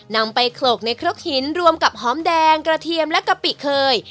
นำไปโขลกในครกหินรวมกับหอมแดงกระเทียมและกะปิเคย